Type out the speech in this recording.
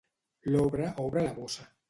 L'obra obre la bossa.